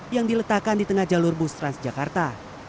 yang diletakkan di tengah jalur bus transjakarta